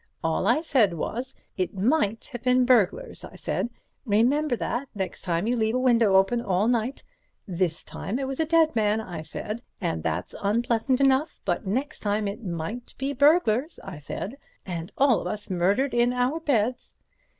All I said was, 'It might have been burglars,' I said, 'remember that, next time you leave a window open all night; this time it was a dead man,' I said, 'and that's unpleasant enough, but next time it might be burglars,' I said, 'and all of us murdered in our beds.'